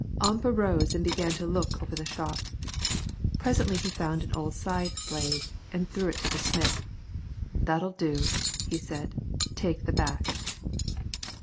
Ump arose and began to look over the shop. Presently he found an old scythe blade and threw it to the smith. "That'll do," he said; "take the back."